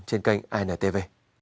trên kênh antv